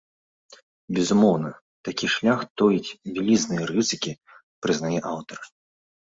Безумоўна, такі шлях тоіць вялізныя рызыкі, прызнае аўтар.